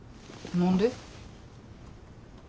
何で？